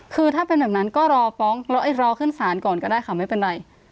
คือถ้าเป็นแบบนั้นก็รอฟ้องรอขึ้นศาลก่อนก็ได้ค่ะไม่เป็นไร